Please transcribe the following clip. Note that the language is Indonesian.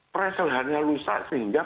pressure halnya rusak sehingga